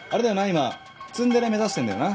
今ツンデレ目指してんだよな？